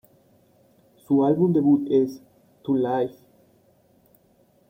Su álbum debut es "To Life!